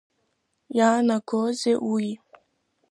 Иаанагозеи уи?